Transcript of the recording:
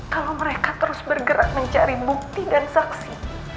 kalau mereka terus bergerak mencari bukti dan saksi